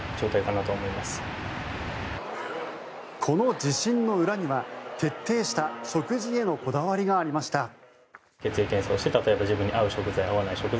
この自信の裏には徹底した食事へのこだわりがありました。